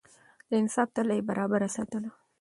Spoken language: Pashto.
د انصاف تله يې برابره ساتله.